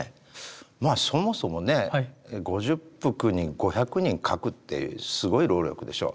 まあそもそもね５０幅に５００人描くってすごい労力でしょう。